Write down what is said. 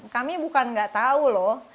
kami bukan gak tau loh